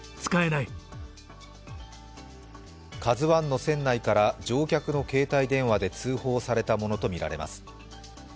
「ＫＡＺＵⅠ」の船内から乗客の携帯電話で通報されたものとみられます。